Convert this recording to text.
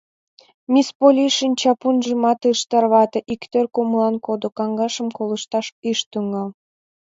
Мисс Полли шинчапунжымат ыш тарвате, иктӧр кумылан кодо, каҥашым колышташ ыш тӱҥал.